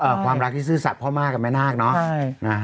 อ่าความรักที่ซื่อสัสเพราะมากรงแม่นาคเนอะ